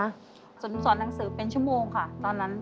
หนูสอนหนังสือเป็นชั่วโมงค่ะตอนนั้น